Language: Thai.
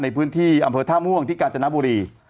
ในพื้นที่อำเภอท่าม่วงที่กาญจนบุรี